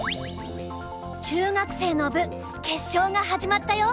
中学生の部決勝が始まったよ。